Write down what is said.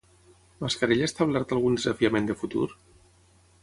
Mascarell ha establert algun desafiament de futur?